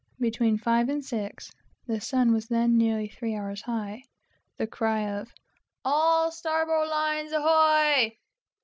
Between five and six the sun was then nearly three hours high the cry of "All starbowlines ahoy!"